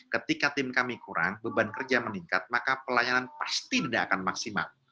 ketika tim kami kurang beban kerja meningkat maka pelayanan pasti tidak akan maksimal